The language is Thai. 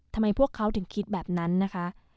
ทำไมพวกเขาถึงคิดแบบนั้นนะคะ